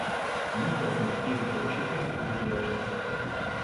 Minta smulkiais graužikais ir driežais.